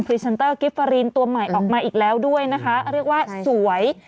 เซนเตอร์กิฟฟารีนตัวใหม่ออกมาอีกแล้วด้วยนะคะเรียกว่าสวย